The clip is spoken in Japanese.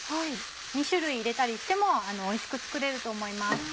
２種類入れたりしてもおいしく作れると思います。